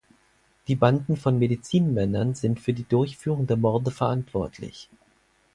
Die Banden von Medizinmännern sind für die Durchführung der Morde verantwortlich.